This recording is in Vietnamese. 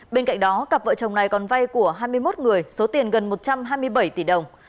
bên cạnh đó cặp vợ chồng này còn vay của hai mươi một người số tiền gần một trăm hai mươi bảy tỷ đồng